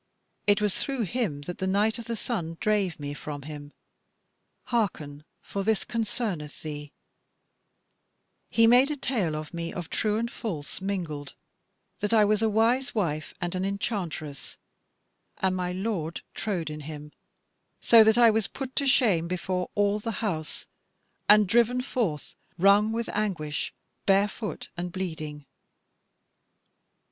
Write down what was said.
It was through him that the Knight of the Sun drave me from him. Hearken, for this concerneth thee: he made a tale of me of true and false mingled, that I was a wise wife and an enchantress, and my lord trowed in him, so that I was put to shame before all the house, and driven forth wrung with anguish, barefoot and bleeding."